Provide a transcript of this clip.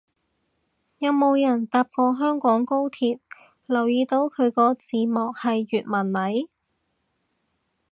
有冇人搭過香港高鐵留意到佢個字幕係粵文嚟